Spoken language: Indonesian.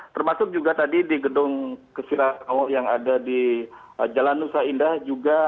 termasuk juga tadi di gedung kesirawak yang ada di jalan nusa indah juga